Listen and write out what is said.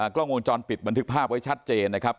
กล้องวงจรปิดบันทึกภาพไว้ชัดเจนนะครับ